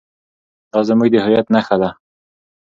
دا زموږ د هویت نښه ده.